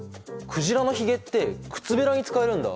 鯨のひげってくつべらに使えるんだ。